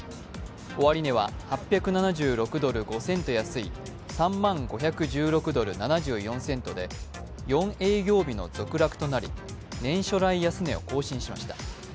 終値は８７６ドル５セント安い３万５１６ドル７４セントで４営業日の続落となり年初来安値を更新しました。